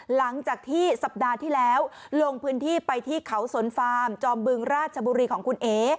หลังจากที่สัปดาห์ที่แล้วลงพื้นที่ไปที่เขาสนฟาร์มจอมบึงราชบุรีของคุณเอ๋